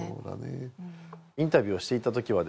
インタビューをしていたときはですね